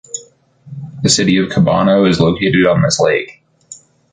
The city of Cabano is located on this lake.